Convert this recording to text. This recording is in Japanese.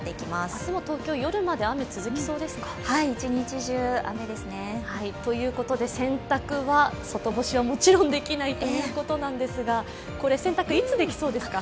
明日も東京、夜まで雨、続きそうですね。ということで、洗濯は外干しはもちろんできないいうことなんですが、洗濯いつできそうですか？